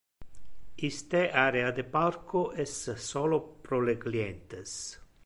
Iste area de parco es solo pro le clientes.